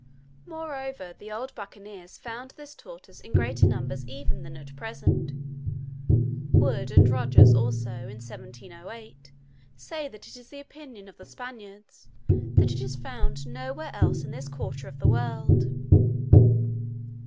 Moreover, the old Bucaniers found this tortoise in greater numbers even than at present: Wood and Rogers also, in 1708, say that it is the opinion of the Spaniards, that it is found nowhere else in this quarter of the world.